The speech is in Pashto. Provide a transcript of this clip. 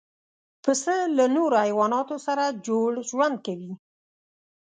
پسه له نورو حیواناتو سره جوړ ژوند کوي.